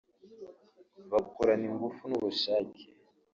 bakorana ingufu n’ubushake